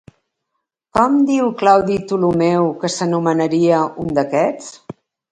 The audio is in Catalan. Com diu Claudi Ptolomeu que s'anomenaria un d'aquests?